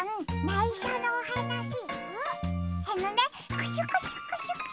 ないしょのおはなし。